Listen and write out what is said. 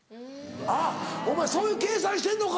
あっお前そういう計算してんのか！